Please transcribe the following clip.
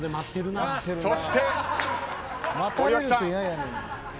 そして、森脇さん。